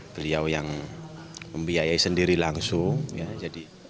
beliau yang membiayai sendiri langsung